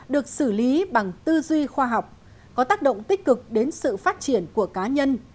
được xử lý bằng tư duy khoa học có tác động tích cực đến sự phát triển của cá nhân